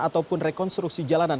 ataupun rekonstruksi jalanan